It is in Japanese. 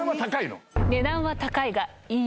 値段は高いの？